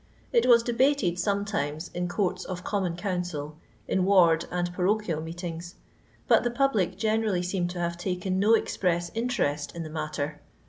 It was debated sometimes in courts of Common Council, in ward and parochial meetings, but the public generally seem to have taken no express interest in the matter.